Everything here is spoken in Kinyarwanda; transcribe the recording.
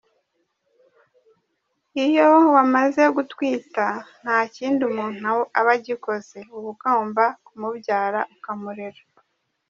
Iyo wamaze gutwita nta kindi umuntu aba agikoze, uba ugomba kumubyara ukamurera.